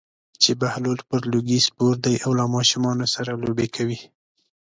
چې بهلول پر لرګي سپور دی او له ماشومانو سره لوبې کوي.